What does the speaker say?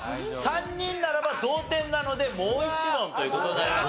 ３人ならば同点なのでもう一問という事になります。